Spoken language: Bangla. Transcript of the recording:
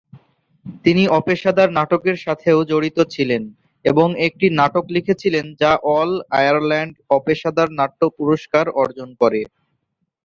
তিনি অপেশাদার নাটকের সাথেও জড়িত ছিলেন এবং একটি নাটক লিখেছিলেন যা অল-আয়ারল্যান্ড অপেশাদার নাট্য পুরস্কার অর্জন করে।